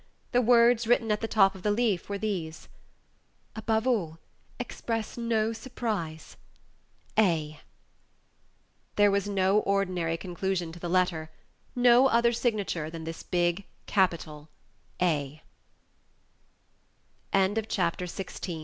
The words written at the top of the leaf were these: "Above all, express no surprise. A." There was no ordinary conclusion to the letter; no other signature than this big capital A. CHAPTER XVII. THE TRAINER'S MESSENGER.